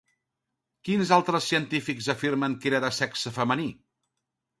Quins altres científics afirmen que era de sexe femení?